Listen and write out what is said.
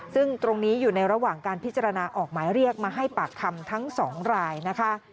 ซึ่งตรงนี้อยู่ในระหว่างการพิจารณาออกหมายเรียกมาให้ปากคำทั้ง๒รายนะคะ